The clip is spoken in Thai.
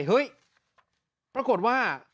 เฮ้ยปรากฏว่า